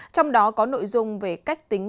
trong đó có nội dung về cách tính